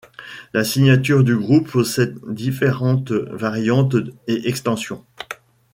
La signature de groupe possède différentes variantes et extensions.